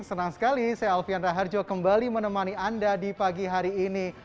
senang sekali saya alfian raharjo kembali menemani anda di pagi hari ini